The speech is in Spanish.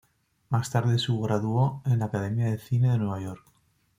Más tarde su graduó en la Academia de Cine de Nueva York.